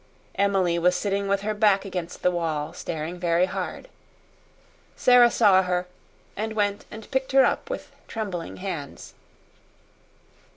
Emily was sitting with her back against the wall, staring very hard. Sara saw her, and went and picked her up with trembling hands.